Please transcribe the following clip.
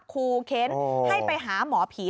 ครูเค้นให้ไปหาหมอผี